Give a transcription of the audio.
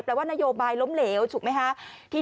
ว่านโยบายล้มเหลวถูกไหมคะ